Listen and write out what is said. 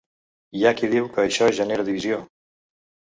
Hi ha qui diu que això genera divisió.